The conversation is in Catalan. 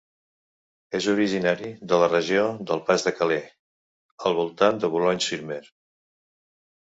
És originari de la regió del Pas de Calais, al voltant de Boulogne-sur-Mer.